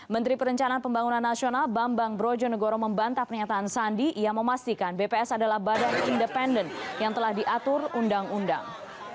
menteri perencanaan pembangunan nasional bambang brojonegoro membantah pernyataan sandi yang memastikan bps adalah badan independen yang telah diatur undang undang